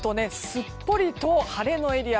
すっぽりと晴れのエリア